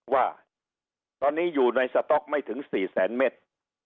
ว่าตอนนี้อยู่ในสต๊อกไม่ถึง๔แสนเมตร